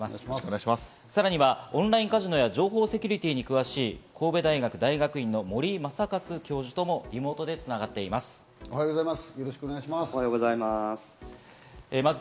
さらにはオンラインカジノや情報セキュリティーに詳しい神戸大学大学院の森井昌克教授ともリモートで繋がっていまおはようございます。